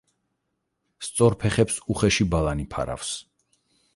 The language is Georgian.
სწორ ფეხებს უხეში ბალანი ფარავს.